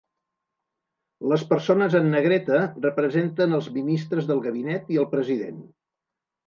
Les persones en negreta representen els ministres del gabinet i el president.